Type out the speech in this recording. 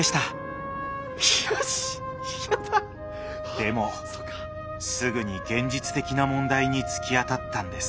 でもすぐに現実的な問題に突き当たったんです。